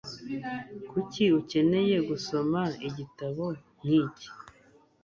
Kuki ukeneye gusoma igitabo nk'iki?